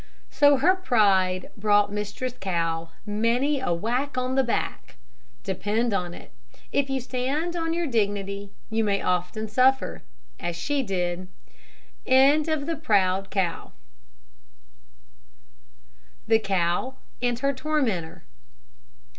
So her pride brought Mistress Cow many a whack on the back. Depend on it, if you stand on your dignity, you may often suffer, as she did. THE COW AND HER TORMENTOR.